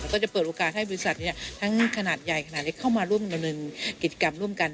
ก็จะเปิดโอกาสให้บริษัททั้งขนาดใหญ่ขนาดเล็กเข้ามาร่วมดำเนินกิจกรรมร่วมกัน